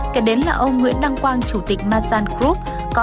kể đến là ông nguyễn đăng quang chủ tịch masan group